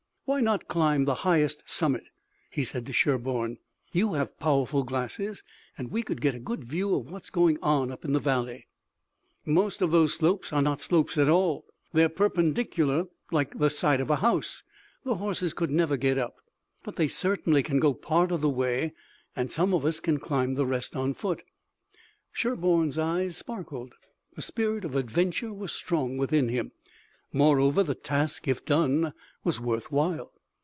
"Why not climb the highest summit?" he said to Sherburne. "You have powerful glasses and we could get a good view of what is going on up the valley." "Most of those slopes are not slopes at all. They're perpendicular like the side of a house. The horses could never get up." "But they can certainly go part of the way, and some of us can climb the rest on foot." Sherburne's eyes sparkled. The spirit of adventure was strong within him. Moreover the task, if done, was worth while.